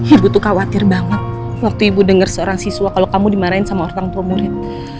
ibu tuh khawatir banget waktu ibu denger seorang siswa kalo kamu dimarahin sama ortang promurit